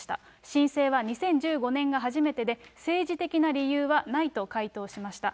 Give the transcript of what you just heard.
申請は２０１５年が初めてで、政治的な理由はないと回答しました。